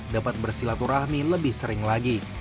dapat bersilaturahmi lebih sering lagi